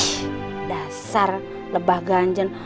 ih dasar lebah ganjen